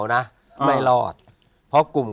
เก็บเงินซื้อพระองค์เนี่ยเก็บเงินซื้อพระองค์เนี่ย